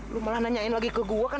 lu malah nanyain lagi ke gue kan